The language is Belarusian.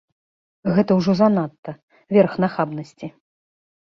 Гэта ўжо занадта, верх нахабнасці.